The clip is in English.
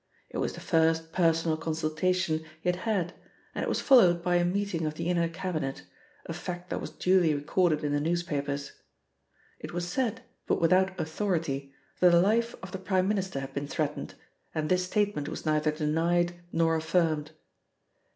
It was the first personal consultation he had had, and it was followed by a meeting of the inner Cabinet, a fact that was duly recorded in the newspapers. It was said, but without authority, that the life of the Prime Minister had been threatened, and this statement was neither denied nor affirmed.